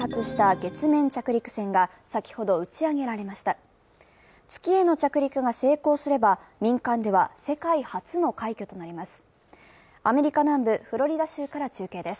月への着陸が成功すれば、民間では世界初の快挙となります。